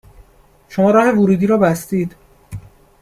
شما راه ورودی رو بستید